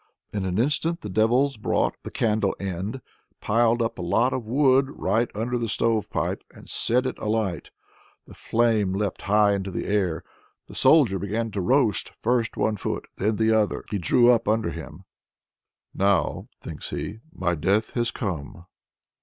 In an instant the devils brought the candle end, piled up a lot of wood right under the stove pipe, and set it alight. The flame leapt high into the air, the Soldier began to roast: first one foot, then the other, he drew up under him. "Now," thinks he, "my death has come!"